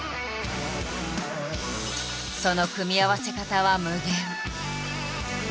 その組み合わせ方は無限。